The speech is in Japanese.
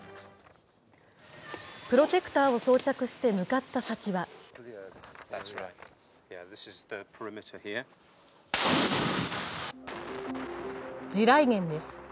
プロテクターを装着して向かった先は地雷原です。